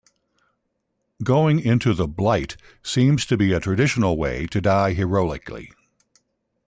Going into the Blight seems to be a traditional way to die heroically.